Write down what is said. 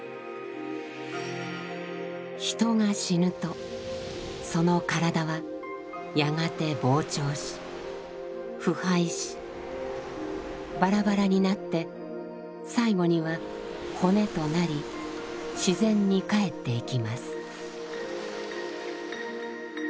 人が死ぬとその身体はやがて膨張し腐敗しバラバラになって最後には骨となり自然に返っていきます。